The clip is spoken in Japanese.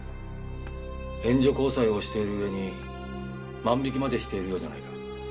援助交際をしている上に万引きまでしているようじゃないか。